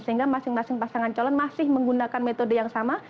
sehingga masing masing pasangan calon masih menggunakan metode yang sama